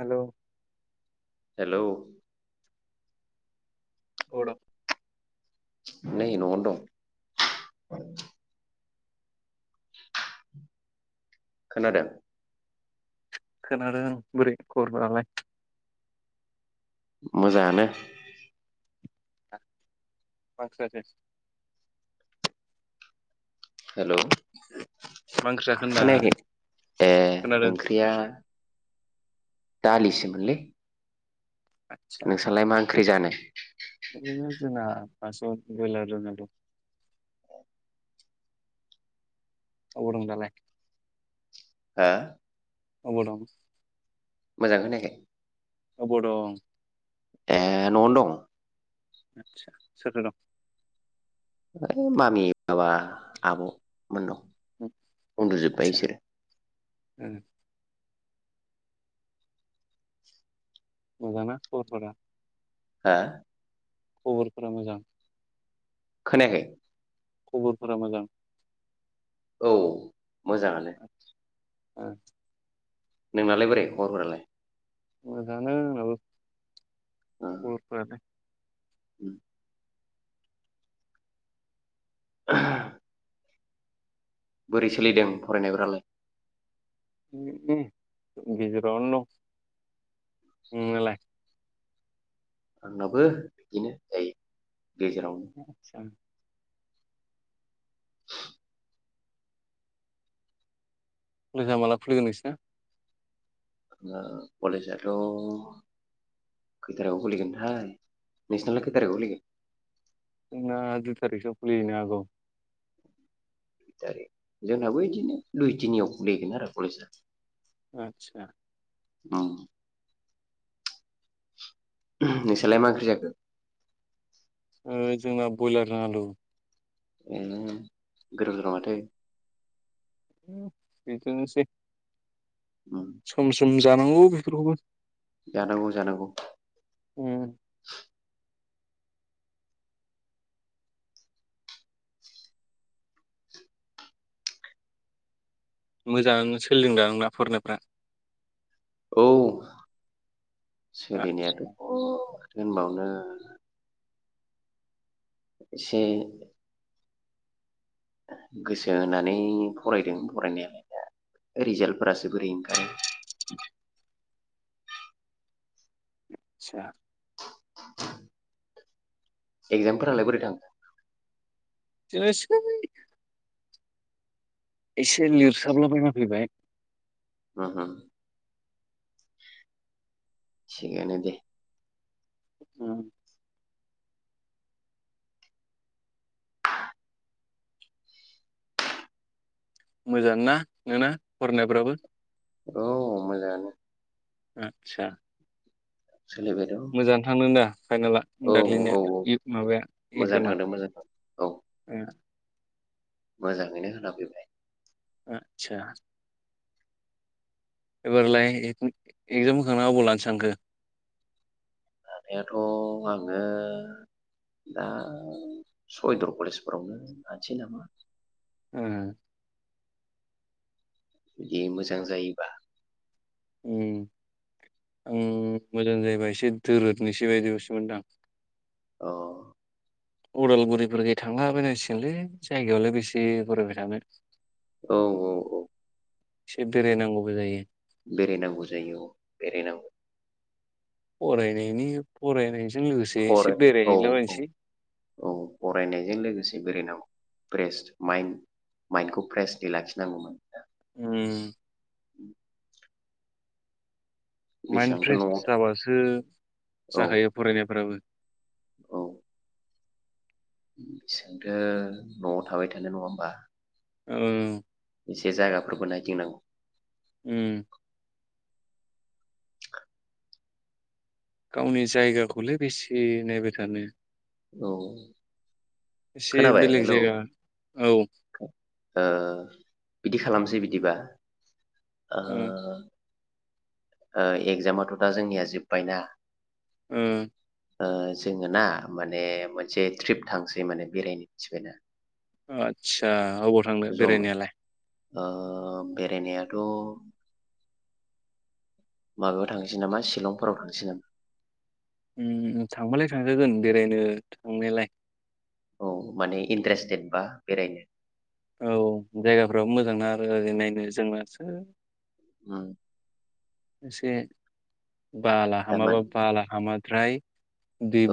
Hello hello अबाव दं? नै न'आवनो दं। खोनादों? खोनादों बोरै खरबफोरालाय? मोजाङानो। मा ओंख्रि जाखो? हेल' मा ओंख्रि जाखो होनदां खोनायाखै उम खोनादों ओंख्रिया दालिसोमोनलै आदसा नोंसालाय मा ओंख्रि जानाय? बिदिनो जोंना थास बयलार रुनाय दं अबाव दं दालाय? हा अबाव दं? मोजां खोनायाखै? अबाव दं? ए न'आवनो दं। सोरदो दं ओ मामि माबा आब'मोन दं। सा उम मोजांना खबरफोरा? हा खबरफोरा मोजां। खोनायाखै? खबरफोरा मोजां। औ मोजाङानो। ओ नोंनालाय बोरै खबरफोरालाय? मोजाङानो आंनाबो खबरफोरालाय। उम बोरै सोलिदों फरायनायफोरालाय? [unintelligible] गेजेरावनो दं नोंनालाय? आंनाबो बिदिनो दायो गेजेराव। आतसा औ मोजां माला खुलिगोन नोंसिना? ओ कलेजआथ' खैथारिक आव खुलिगोनथाय नोंसिनालाय खैथारिकआव खुलिगोन? जोंना दुइ थारिखसोआव खुलिहैनो हागौ। जोंनाबो बिदिनो दुइ थिनियाव खुलिहैगोन आरो कलेजआ। आदसा। ओं। [unintelligible] नोंसालाय मा ओंख्रि जाखो? ओ जोंना ब्रयलारजों आलु। [unintelligible] गोथावथार माथो। [unintelligible] बेफोरनोसै। उम। सम सम जानांगौ बेफोरखौबो। जानांगौ जानांगौ। उम। मोजां सोलोंदों आंना फरायनायफ्रा। औ सोलिनायाथ' आदसा [unintelligible] होनबावनो एसे गोसो होनानै फरायदों फरायनायालाय दा। रिजाल्टफोरासो बोरै ओंखारो। आदसा? एक्जामफोरालाय बोरै थांखो? बिदिनोसै। एसे लिरसाबला बायना फैबाय। उम उम। थिगानो दे। उम। मोजां ना नोंना फरायनायफ्राबो? औ मोजांआनो। आदसा? सोलायबायद' मोजांआनो थांदों दा फाइनाला औ दार्लिंनिया औ एमाबाया मोजां एगजामा? थांदों मोजां थांदों औ ए। मोजाङैनो होना फैबाय। आदसा। एबारलाय एगजाम होखांना आबाव लानो सानखो? लानायाथ' आङो दा सयदर कलेजफोरावनो लानोसै नामा? उम। जुदि मोजां जायोबा। उम आं मोजां जायोबा एसे दोरोदनिसै बायदिसो मोनदां अ। उदालगुरिफोरखै थांलाबायनांसिगोनलै जायगायावलाय बेसे फरायबाय थानो। औ औ औ। एसे बेरायनांगौबो जायो। बेरायनांगौ जायो बेरायनांगौ। फरायनायनि फरायनायजों लोगोसे फराय एसे औ औ बेरायहैलाबायानोसै। औ फरायनायजों लोगोसे बेरायनांगौ फ्रेस् माइन्ड। माइन्दखौ फ्रेसयै लाखिनांगौमोन दा उम माइन्ड बेसेबांथ' फ्रेस न'आव जाबासो जाखायो फरायनायफ्राबो। उम। बेसोंथ' न'आव थाबाय थानो नङा होमबा। औ। एसे जायगाफोरबो नायदिंनांगौ। उम। गावनि जायगाखौलाय बेसे नायबाय थानो औ एसे खोनाबाय बेलेग हेलौ जायगा औ। बिदि खालामसै बिदिबा ओ एगजामाथ' दा जोंनिया जोब्बायना। ओम जोङो ना माने मोनसे ट्रिप थांसै माने बेरायनो मिथिबायना। आदसा अबाव थांद जमा बेरायनायालाय? बेरायनायाथ' माबायाव थांसै नामा सिलंफोरावांनोसै नामा थांबालाय थांजागोन बेरायनो थांनायलाय। औ माने इन्ट्रेस्टेद बा बेरायनो। औ जायगाफ्राबो मोजां ना आरो ओरै नायनो जोंनासो ओम। एसे बाला हामाबा थारमाने बाला हामाद्राय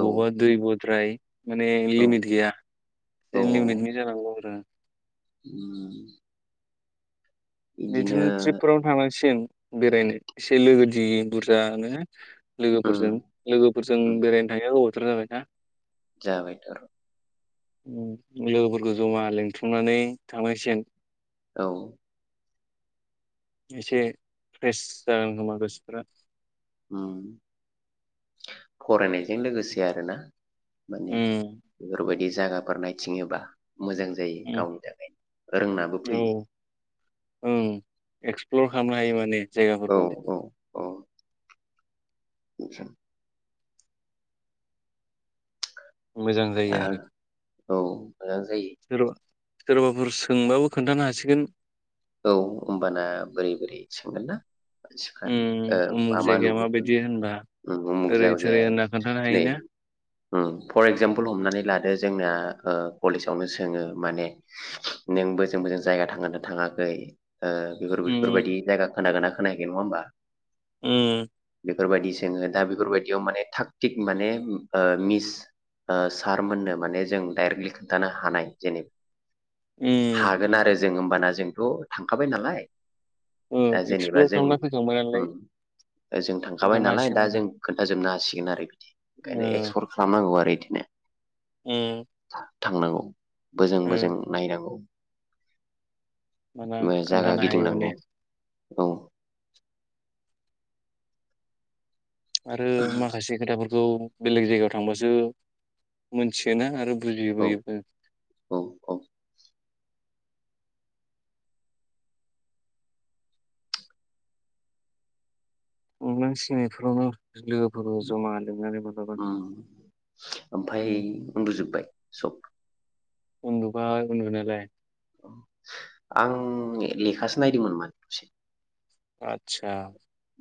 औ बब दैबह द्राय माने औ लिमिट गैया ए औ लिमिटनि जानांगौ आरो। उम। इदिनो बिदिनो ट्रिपफोरावनो थांसिग बेरायनो एसे लोगो दि बुरजानो। उम लोगोफोरजों लोगोफोरजों उम बेरायनो थायो गोबावथ' जाबायना। जाबाय थ आरो लोगोफोरखौ जमा लिंथुमनानै थांनांसिगोन। औ। एसे फ्रेस जागोन खोमा गोसोफ्रा उम फरायनायजों लोगोसे आरोना माने। उम बेफोरबायदि जायागाफोर नायथिङोबा मोजां जायो उम गावनि थाखायनो रोंनाबो औ फैयो। ओं एक्सप्लर खालामनो हायो माने औ जायगाफोरखौ। औ औ [unintelligible] मोजां जायो आरो औ मोजां जायो। सोरबा सोरबाफोर सोंबाबो खोन्थानो हासिगोन। औ हबाना बोरै बोरै सोंगोना। सिखा उम उमुख मामा जायगाया नुबोखो माबायदि होनबा उम उमचग ओरै थोरै जायगाया होनना खोन्थानो नै हायोना फर एगजामपोल हमनानै लादो जोंना कलेजावनो सोङो माने नों बोजों बोजों जायगा थांनादोंना थाङा बोय बेफोर उम बेफोरबायदि जायगा खोनागोना खोनायाखै नङा होमबा। उम। बेफोरबायदि जोङो दा बेफोरबायदियाव माने थाग थिग माने मिस सारमोननो माने जों डाइरेक्टलि खिन्थानो हानाय जेनेबा उम हागोन आरो जों होमबाना जोंथ' थांखाबाय नालाय ओ दा जेनेबा एक्सप्लर जों खालामना फैखांबाय नालाय जों थांखाबाय खोन्थानो नालाय दा हासिगोन आरो जों खोन्थाजोबनो हासिगोन आरो बिदि ओंखायनो ओ एक्सप्लर खालामनांगौ आरो बिदिनो। उम। थांनांगौ बोजों बोजों उम नायनांगौ। माना जायगा खोन्थानो हायो माने गिदिंनांगौ औ। आरो माखासे खोथाफोरखौ बेलेग जायगायाव थांबासो मोनथियोना आरो औ बुजिबोयोबो। औ औ [inaudible] सिनायफोरावनो लोब ओमफाय उम उन्दुजोब्बाय सब? उन्दुुबाय उन्दुनायालाय। आं लेखासो नायदोंमोन माने एसे। आतसा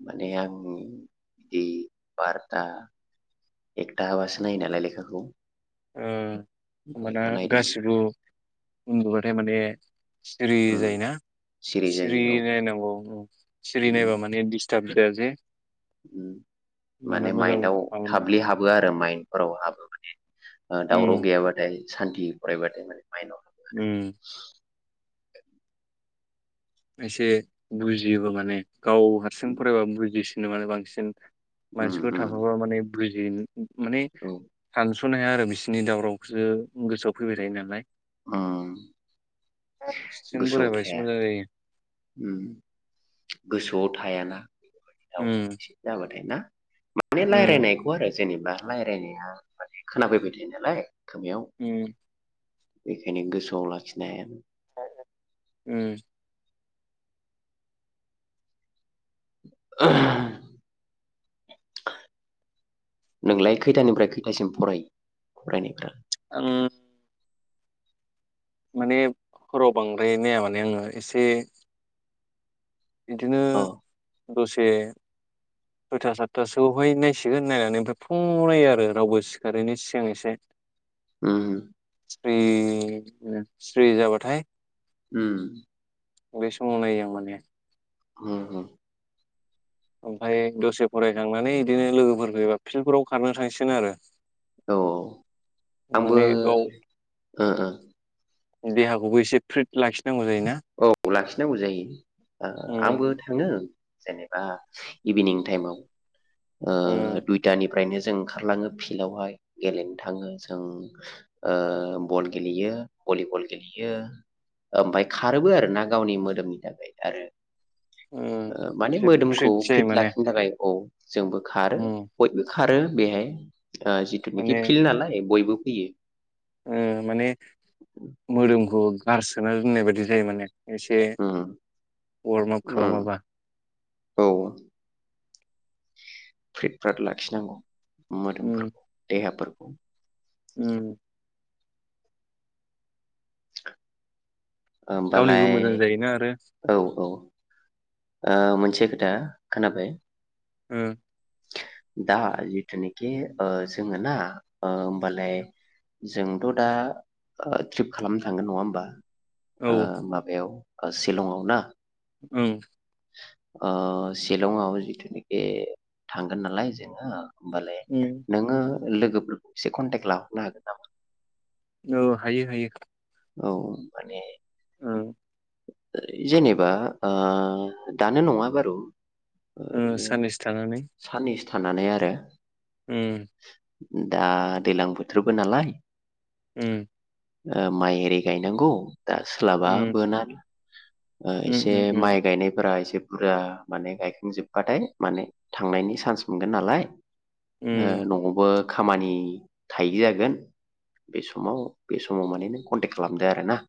माने आं बिदि बार्ता एकथा हाबासो नायो नालाय लेखाखौ। ओ होमबाना लेखा नायदोंमोन गासिबो उन्दुबाथाय माने सिरि जायोना सिरि जायो औ नायनांगौ सिरि नायबा माने दिस ट्राक्ट जाया जे माना माने मोजां माइन्दाव माबानि हाबलि हाब हाबो आरो माइन्दफोराव हाबो माने उम दावराव गैयाबाथाय सान्थि फरायबाथाय माने माइआव उम एसे बुजियोबो माने गाव हारसिं फरायबा बुजिसिनो माने बांसिन। उम मानसिफोर उम थाफाबा माने बुजि माने सानस औ सानस'नो हाया आरो बिसोरनि दावरावखौसो गोसोआव फैबाय थायो नालाय। उम सिम गोसोआव बोरायबा एसे थाया मोजां जायो। उम गोसोआव थायाना बेफोर राव उम एसे जाबाथाय ना? बे उम रायलायनायखौ आरो जेनेबा रायलायनाया माने खोनाफैबाय थायो नालाय खोमायाव उम बेखायनो गोसोआव लाखिनो हाया। उम नोंलाय खैथानिफ्राय खैथासिम फरायो फरायनायफोरा? आं माने हराव बांद्राय नाया माने आङो एसे इदिनो अ दसे सयथा सातथासोआवहाय नायसिगोन नायनानै ओमफ्राय फुंआव नायो आरो रावबो सिखारैनि सिगां एसे। उम स्रि स्रि जाबाथाय उम बे समाव नायो आं माने। उम उम ओमफाय दसे फरायखांनानै बिदिनो लोगोफोर फैबा फिल्डफोराव खारनो थांसिगोन आरो। औ औ आंबो माने गाव देहाखौबो एसे फ्रिद लाखिनांगौ जा औ लाखिनांगौ जायो ओ उम आंबो थाङो जेनेबा इभिनिं टायेमाव उम ओ तानिफ्रायनो जों ओंखारलाङो फिल्डआवहाय गेलेनो थाङो जों ओ बल गेलेयो भलिबल गेलेयो ओमफाय खारोबो आरो ना गावनि मोदोमनि थाखाय। आरो उम ओ माने एसे मोदोमखौ फ्रिट जायो फिट माने लाखिनो थाखाय औ जोंबो खारो। उम बयबो खारो बेहाय ओ जिथुनिखि माने फिल्ड नालाय बयबो फैयो। ओ माने मोदोमखौ गारसोना दोननाय बायदि जायो माने। एसे उम वार्म आप उम खालामाबा औ फ्रिट फ्राट लाखिनांगौ उम मोदोमफोरखौ देहाफोरखौ। उम। गावनिबो होमबालाय मोजां जायोना आरो औ औ मोनसे खोथा खोनाबाय? उम। दा जिथुनिखि ओ जोंङो ना होमबालाय जोंथ' दा ट्रिप खालामनो थांगोन नङा होमबा? औ ओ माबायाव सिलंआव ना? औ। ओ सिलंआव जिथुनिखि थांगोन नालाय जोंङो होमबालाय उम नोंङो लोगोफोरखौ एसे कनटेक्ट लाहरनो हागोन नामा? औ हायो हायो। औ माने औ। जेनेबा ओ दानो नङा बारु ओ ओरैनो साननैसो थानानै। साननैसो थानानै आरो। उम। दा दैज्लां बोथोरबो नालाय उम। ओ माइ आरि गायनांगौ दा सोलाबा उम बोना। ओ उम एसे उम उम माइ गायनायफोरा एसे बुरजा माने गायखांजोबबाथाय माने थांनायनि सान्स मोनगोन नालाय। ओ उम नआवबो खामानि थायि जागोन बे समाव बे समाव माने नों कन्टेक्ट खालामदो आरो ना।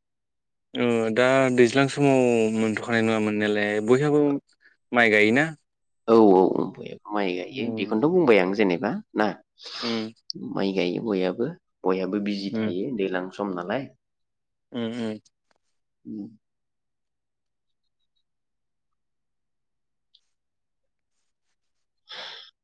ओ दा दैज्लां समाव मोनथ'खानाय नङा मोननायालाय बयहाबो माइ गायोना। औ औ माइ गायो उम बेखौनोथ' बुंबाय आं जेनेबा ना। उम। माइ गायो बयहाबो बयहाबो बिजि उम थायो दैज्लां सम नालाय। उम उम। उम। [inaudible]